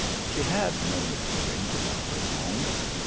She had no misgivings about her home.